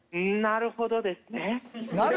なるほどですね！